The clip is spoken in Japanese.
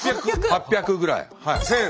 ８００ぐらい。